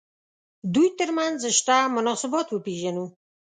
دوی تر منځ شته مناسبات وپېژنو.